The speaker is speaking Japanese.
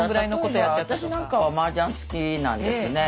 例えば私なんかはマージャン好きなんですね